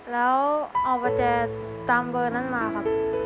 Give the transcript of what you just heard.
แล้วเอาประแจตามเบอร์นั้นมาครับ